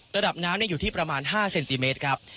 ระดับน้ำอยู่ที่ประมาณ๕เซนติเมตรครับ